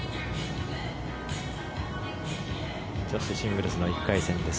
女子シングルスの１回戦です。